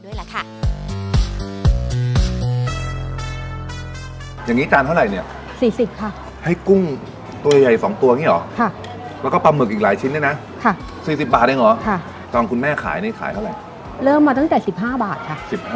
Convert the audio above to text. วันนึงนี่เราใช้เส้นกี่กิโลเนี่ย